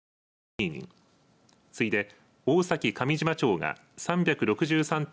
次いで大崎上島町が３６３．４８人